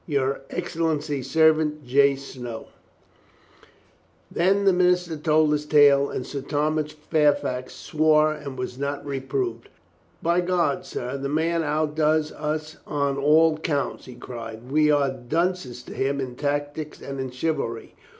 Your Excellency's servant, J. Stow. 320 COLONEL GREATHEART Then the minister told his tale, and Sir Thomas Fairfax swore and was not reproved. "By God, sir, the man outdoes us on all counts!" he cried. "We are dunces to him in tactics and in chivalry.